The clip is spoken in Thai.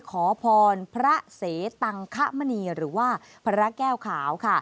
ขอพรพระเสตังคมณีหรือว่าพระแก้วขาวค่ะ